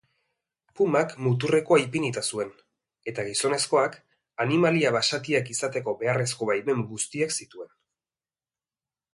Pumak muturrekoa ipinita zuen, eta gizonezkoak animalia basatiakizateko beharrezko baimen guztiak zituen.